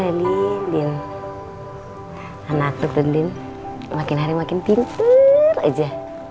anak anak makin hari makin pintar aja